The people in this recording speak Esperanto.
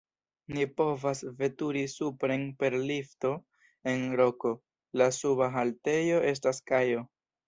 Ni povas veturi supren per lifto en roko, la suba haltejo estas kajo.